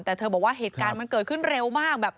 แต่เธอบอกว่าเหตุการณ์มันเกิดขึ้นเร็วมากแบบ